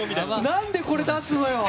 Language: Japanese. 何でこれ出すのよ！